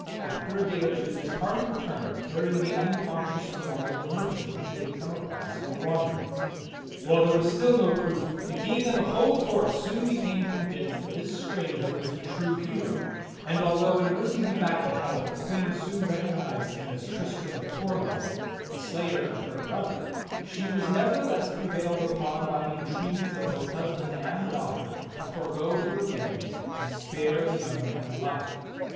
After a day or two this party returned, carrying the uncon scious form of the merchant which they had come across in their wanderings. While there was still no proof, the King and the whole court soon became convinced that this stranger was the true hero; and although in nursing him back to health the Queen soon recognized him as Tristram qf Cornwall, the slayer of her brother, she was nevertheless prevailed upon by the entreaties of both husband and daughter to forego her revenge and spare the young man's life.